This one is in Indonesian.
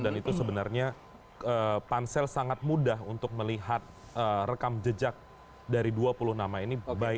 dan itu sebenarnya pansel sangat mudah untuk melihat rekam jejak dari dua puluh nama ini by